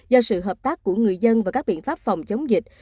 do sự hợp tác của người dân và các biện pháp phòng chống dịch